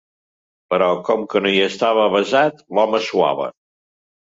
Però com que no hi estava avesat, l'home suava